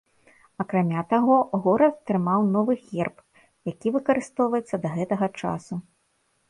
Акрамя таго, горад атрымаў новы герб, які выкарыстоўваецца да гэтага часу.